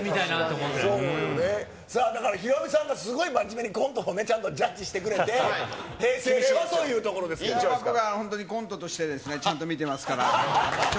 だからヒロミさんが、すごい真面目にコント、ジャッジしてくれて、平成・令和というところで本当にコントとしてちゃんと見てますから。